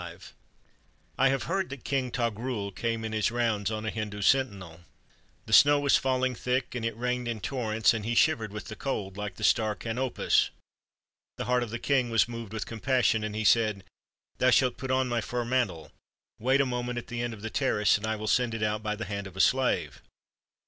I have heard that King Toghrul came in his rounds on a Hindu sentinel. The snow was falling thick, and it rained in torrents, and he shivered with the cold like the star Canopus. The heart of the king was moved with compassion, and he said: "Thou shalt put on my fur mantle. Wait a moment at the end of the terrace, and I will send it out by the hand of a slave."